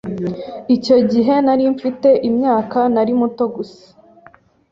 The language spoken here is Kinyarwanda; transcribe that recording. icyo gihe nari mfite imyaka nari muto gusa